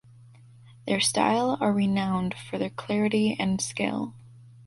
Their style are renowned for their clarity and skill.